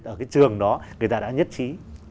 ở cái trường đó người ta đã nhất trí